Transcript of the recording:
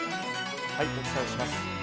お伝えします。